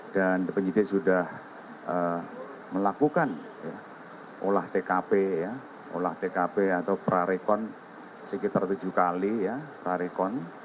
dan penyidik sudah melakukan olah tkp ya olah tkp atau prarekon sekitar tujuh kali ya prarekon